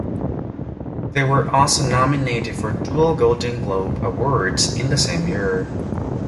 They were also nominated for dual Golden Globe Awards in the same year.